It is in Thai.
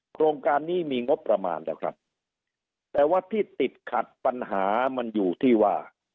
โครงการนี้มีงบประมาณแล้วครับแต่ว่าที่ติดขัดปัญหามันอยู่ที่ว่า